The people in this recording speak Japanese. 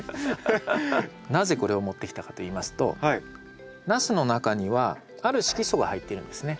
なぜこれを持ってきたかといいますとナスの中にはある色素が入っているんですね。